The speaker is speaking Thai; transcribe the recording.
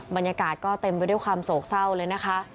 บรรยากาศก็เต็มไปด้วยความโศกเศร้าเลยนะคะ